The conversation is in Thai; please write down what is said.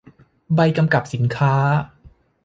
ใบกำกับสินค้า